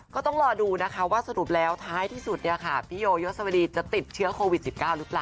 ก็ต้องรอดูนะคะว่าสรุปแล้วท้ายที่สุดเนี่ยค่ะพี่โยยศวดีจะติดเชื้อโควิด๑๙หรือเปล่า